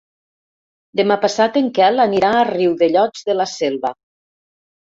Demà passat en Quel anirà a Riudellots de la Selva.